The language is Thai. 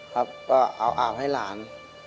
ก็เอาอาบให้หลาน